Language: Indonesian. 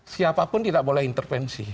siapapun tidak boleh intervensi